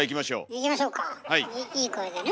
いい声でね。